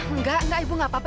enggak enggak ibu gak apa apa